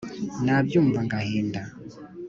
nabyumva ngahinda